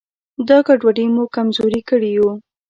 دا ګډوډي موږ کمزوري کړي یو.